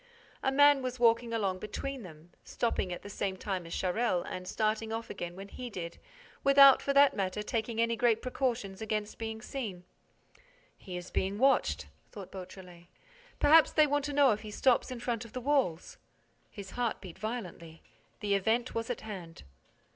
A man was walking along between them, stopping at the same time as Charel and starting off again when he did, without, for that matter, taking any great precautions against being seen. "He is being watched," thought Beautrelet. "Perhaps they want to know if he stops in front of the walls—" His heart beat violently. The event was at hand.